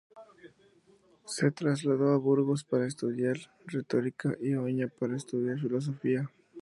Se trasladó a Burgos para estudiar Retórica y a Oña para estudiar Filosofía.